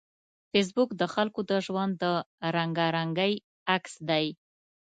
فېسبوک د خلکو د ژوند د رنګارنګۍ عکس دی